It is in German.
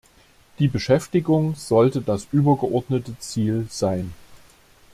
Die Beschäftigung sollte das übergeordnete Ziel sein!